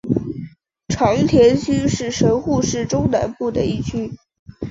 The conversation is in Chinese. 长田区是神户市中南部的一区。